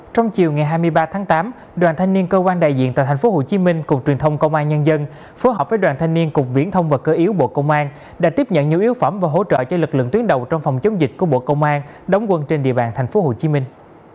trong chiều ngày hai mươi ba tháng tám đoàn thanh niên cơ quan đại diện tại thành phố hồ chí minh cục truyền thông công an nhân dân phối hợp với đoàn thanh niên cục viễn thông và cơ yếu bộ công an đã tiếp nhận nhiều yếu phẩm và hỗ trợ cho lực lượng tuyến đầu trong phòng chống dịch của bộ công an đóng quân trên địa bàn thành phố hồ chí minh